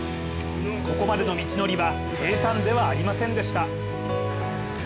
ここまでの道のりは平たんではありませんでした。